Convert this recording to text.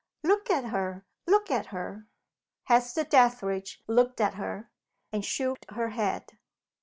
Look at her! look at her!" Hester Dethridge looked at her, and shook her head.